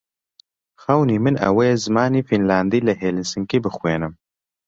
خەونی من ئەوەیە زمانی فینلاندی لە هێلسینکی بخوێنم.